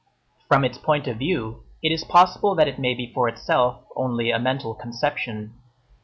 From its point of view, it is possible that it may be for itself, only "a mental conception."